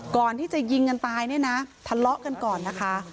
ก่อนที่จะยิงกันตายเนี่ยนะทะเลาะกันก่อนนะคะ